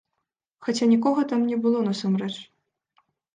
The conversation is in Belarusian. Хаця нікога там не было насамрэч.